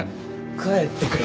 帰ってくれ。